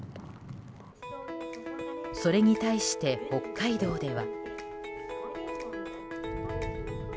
それに対して、北海道では。